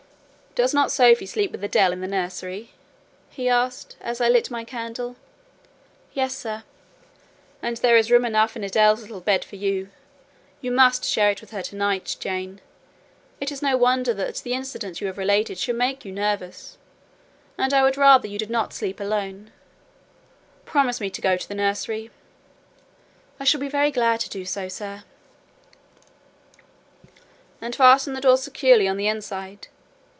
"Does not Sophie sleep with Adèle in the nursery?" he asked, as I lit my candle. "Yes, sir." "And there is room enough in Adèle's little bed for you. You must share it with her to night, Jane: it is no wonder that the incident you have related should make you nervous, and I would rather you did not sleep alone: promise me to go to the nursery." "I shall be very glad to do so, sir." "And fasten the door securely on the inside.